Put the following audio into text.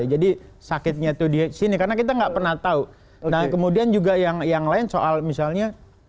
jadi sakitnya tuh di sini karena kita nggak pernah tahu nah kemudian juga yang yang lain soal misalnya